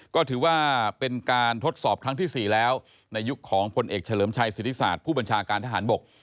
ก็ถือว่าเป็นการทดสอบครั้งที่๔แล้วในยุคของพลเอกเฉลิมชัยสิทธิศาสตร์ผู้บัญชาการทหารบก